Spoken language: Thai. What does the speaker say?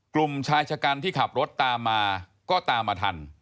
กลุ่มชายชะกันที่ขับรถตามมาก็ตามมาทัน